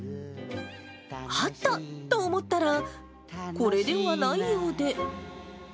あった！と思ったら、これではないようで。